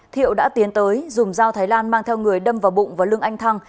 thiệu đã tiến tới dùng dao thái lan mang theo người đâm vào bụng và lương anh thăng